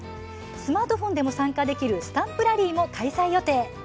スマートフォンでも参加できるスタンプラリーも開催予定。